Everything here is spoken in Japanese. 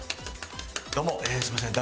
どうもすみません。